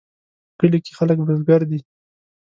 په کلي کې خلک بزګر دي